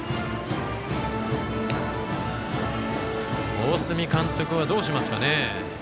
大角監督はどうしますかね。